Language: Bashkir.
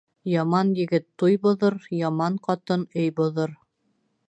Яман егет туй боҙор, яман ҡатын өй боҙор.